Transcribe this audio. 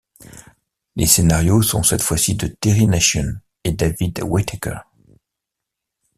Les scénarios sont cette fois-ci de Terry Nation et David Whitaker.